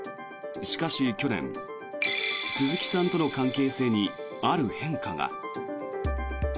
しかし去年鈴木さんとの関係性にある変化が。